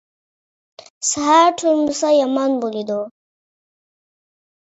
سەھەر تۇرمىسا يامان بولىدۇ.